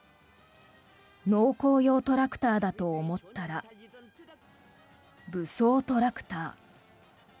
農耕用トラクターだと思ったら武装トラクター。